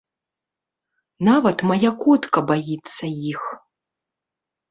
Нават мая котка баіцца іх.